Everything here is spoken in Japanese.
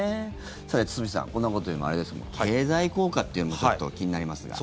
堤さん、こんなこと言うのもあれですけども経済効果というのもちょっと気になりますが。